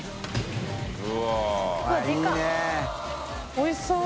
おいしそう！